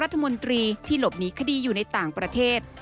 รัฐมนตรีที่หลบหนีคดีอยู่ในต่างประเทศ